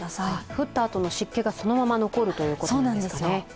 降ったあとの湿気がそのまま残るって感じなんですかね。